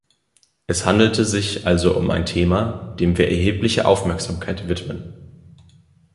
Es handelt sich also um ein Thema, dem wir erhebliche Aufmerksamkeit widmen.